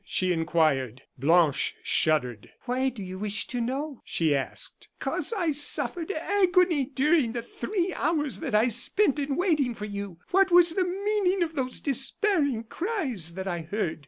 she inquired. Blanche shuddered. "Why do you wish to know?" she asked. "Because I suffered agony during the three hours that I spent in waiting for you. What was the meaning of those despairing cries that I heard?